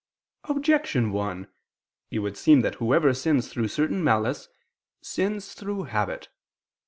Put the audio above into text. Objection 1: It would seem that whoever sins through certain malice, sins through habit.